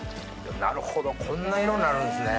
なるほどこんな色なるんですね。